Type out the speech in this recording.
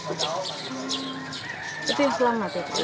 itu yang selamat ya